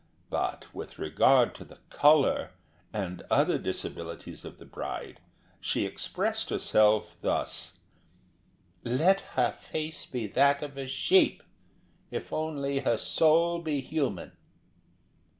But with regard to the colour, and other disabilities of the bride, she expressed herself thus: "Let her face be that of a sheep, if only her soul be human."